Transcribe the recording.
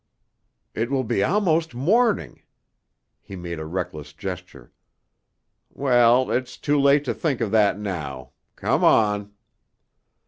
"It will be almost morning." He made a reckless gesture. "Well, it's too late to think of that now. Come on."